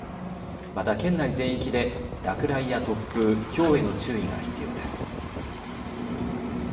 また県内全域で落雷や突風、ひょうへの注意が必要です。